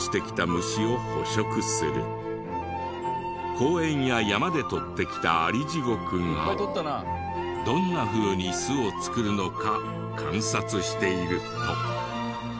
公園や山で捕ってきたアリジゴクがどんなふうに巣を作るのか観察していると。